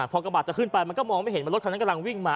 พอกระบาดจะขึ้นไปมันก็มองไม่เห็นว่ารถคันนั้นกำลังวิ่งมา